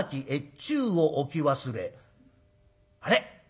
あれ？